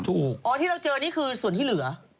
อ๋อที่เราเจอนี่คือส่วนที่เหลือ